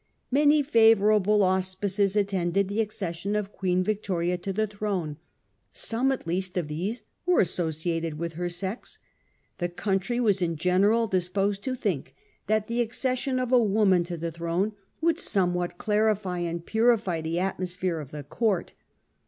Many favourable auspices attended the acces sion of Queen Victoria to the throne ; some at least of these were associated with her sex. The country was in general disposed to think that the accession of a woman to the throne would somewhat clarify and purify the atmosphere of the Court.